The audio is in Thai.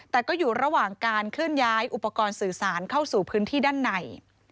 แต่ก็อยู่ระหว่างการเคลื่อนย้ายอุปกรณ์สื่อสารเข้าสู่พื้นที่ด้านใน